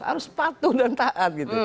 harus patuh dan taat gitu